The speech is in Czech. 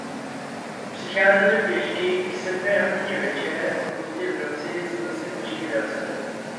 Přicházeli pěšky k sedmé hodině večer a pozdě v noci se zase pěšky vraceli.